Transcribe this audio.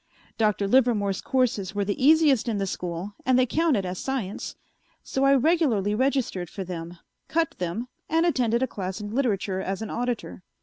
Dr. Livermore's courses were the easiest in the school and they counted as science, so I regularly registered for them, cut them, and attended a class in literature as an auditor.